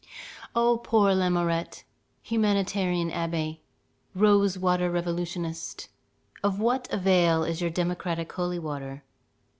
O poor Lamourette! humanitarian abbé, rose water revolutionist, of what avail is your democratic holy water?